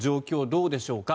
どうでしょうか。